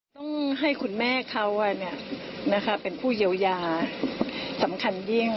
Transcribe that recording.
ต้องให้คุณแม่เขาเป็นผู้เยียวยาสำคัญยิ่ง